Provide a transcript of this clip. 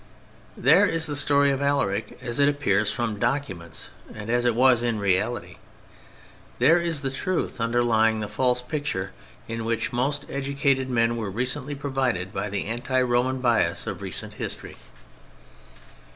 There is the story of Alaric as it appears from documents and as it was in reality. There is the truth underlying the false picture with which most educated men were recently provided by the anti Roman bias of recent history.